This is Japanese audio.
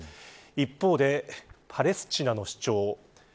一方で、パレスチナの主張です。